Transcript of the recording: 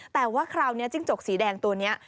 แต่ว่าคราวนี้จิ้งจกสีแดงตัวนี้